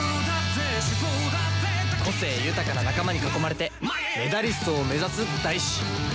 個性豊かな仲間に囲まれてメダリストを目指す大志。